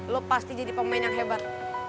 lo pasti jadi pemain yang hebat